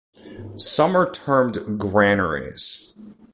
Some are termed granaries.